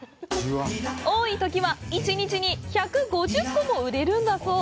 多いときは１日に１５０個も売れるんだそう！